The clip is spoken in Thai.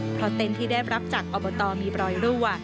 เพราะเต็นต์ที่ได้รับจากอบตมีรอยรั่ว